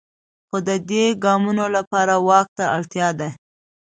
خو د دې ګامونو لپاره واک ته اړتیا ده.